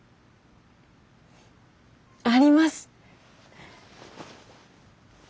あります！